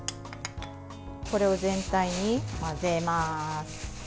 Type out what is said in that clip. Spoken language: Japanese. これを全体に混ぜます。